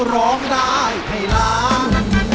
ร้องได้ให้ล้าน